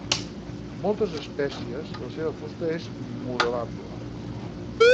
Moltes espècies, la seva fusta és modelable.